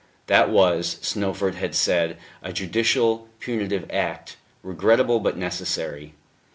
That was, Snowford had said, a judicial punitive act, regrettable but necessary.